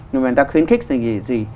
người ta khuyến khích cái gì